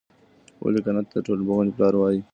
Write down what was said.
ولي کنت ته د ټولنپوهنې پلار وايي؟